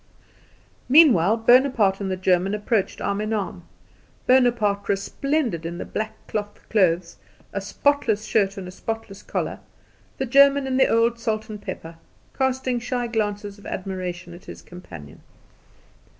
Meanwhile Bonaparte and the German approached arm in arm Bonaparte resplendent in the black cloth clothes, a spotless shirt, and a spotless collar; the German in the old salt and pepper, casting shy glances of admiration at his companion.